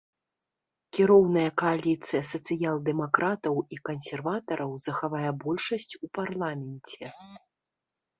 Кіроўная кааліцыя сацыял-дэмакратаў і кансерватараў захавае большасць у парламенце.